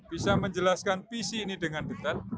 bisa menjelaskan visi ini dengan ketat